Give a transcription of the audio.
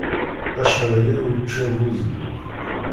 Acḥal aya ur ččiɣ buzelluf.